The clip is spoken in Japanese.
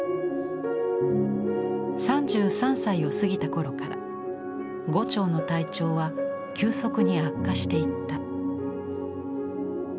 ３３歳を過ぎた頃から牛腸の体調は急速に悪化していった。